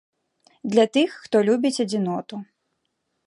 Для тых, хто любіць адзіноту.